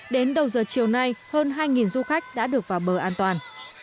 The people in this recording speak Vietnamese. đến đầu giờ chiều nay hơn hai du khách đã được vào bờ an toàn